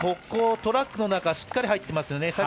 トラックの中しっかり入っていますよね。